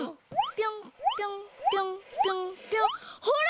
ぴょんぴょんぴょんぴょんぴょんほら！